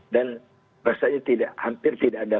dan rasanya tidak hampir tidak ada